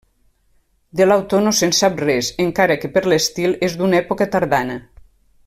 De l'autor no se'n sap res encara que per l'estil és d'una època tardana.